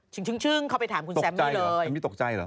ชิงชึ้งเขาไปถามคุณแซมมี่เลย